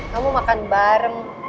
kamu makan bareng